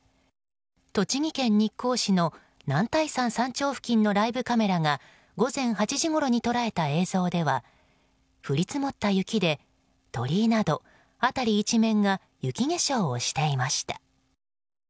栃木県日光市の男体山山頂付近のライブカメラが午前８時ごろに捉えた映像では降り積もった雪で鳥居など辺り一面が雪化粧をしていました。